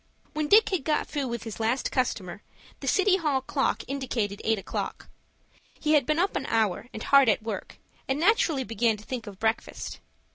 When Dick had got through with his last customer the City Hall clock indicated eight o'clock. He had been up an hour, and hard at work, and naturally began to think of breakfast.